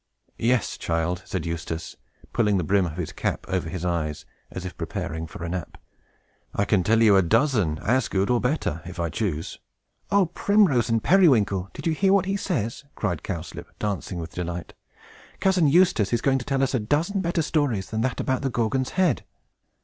"Yes, child," said Eustace, pulling the brim of his cap over his eyes, as if preparing for a nap. "I can tell you a dozen, as good or better, if I choose." "O Primrose and Periwinkle, do you hear what he says?" cried Cowslip, dancing with delight. "Cousin Eustace is going to tell us a dozen better stories than that about the Gorgon's Head!"